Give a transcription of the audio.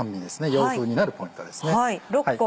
洋風になるポイントですね。